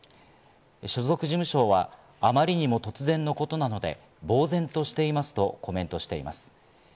所属事務所は、あまりにも突然のことなので、ぼうぜんとしていますとコメントしています。